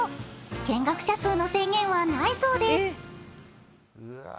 見学者数の制限はないそうです。